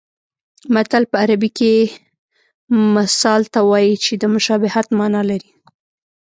متل په عربي کې مثل ته وایي چې د مشابهت مانا لري